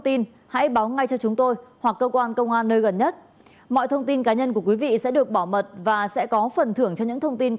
xin chào các bạn